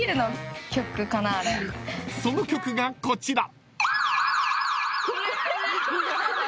［その曲がこちら］